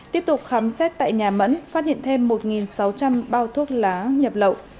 tiếp tục khám xét tại nhà mẫn phát hiện thêm một sáu trăm linh bao thuốc lá nhập lậu